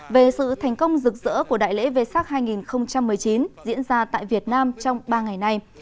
về sự thành công rực rỡ của đại lễ vê sắc hai nghìn một mươi chín diễn ra tại việt nam trong ba ngày nay